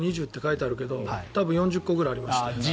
２０って書いてあるけど多分４０個ぐらいありましたよ。